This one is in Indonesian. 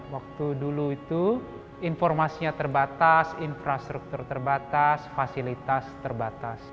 waktu dulu itu informasinya terbatas infrastruktur terbatas fasilitas terbatas